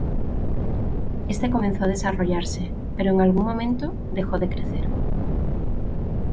Este comenzó a desarrollarse pero en un momento dejó de crecer.